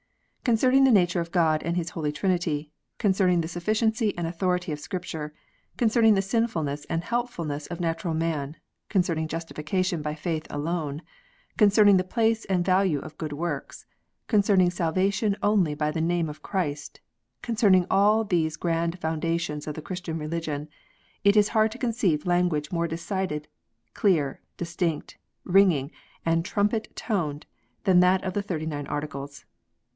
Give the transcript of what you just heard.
Concerning the nature of God and the Holy Trinity, con cerning the sufficiency and authority of Scripture, concerning the sinfulness and helplessness of natural man, concerning justification by faith alone, concerning the place and value of good works, concerning salvation only by the name of Christ ; concerning all these grand foundations of the Christian religion, it is hard to conceive language more decided, clear, distinct, ringing, and trumpet toned than that of the Thirty nine Articles.